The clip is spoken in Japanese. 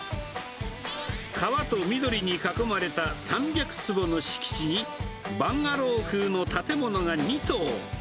川と緑に囲まれた３００坪の敷地に、バンガロー風の建物が２棟。